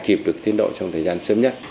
kịp được tiến độ trong thời gian sớm nhất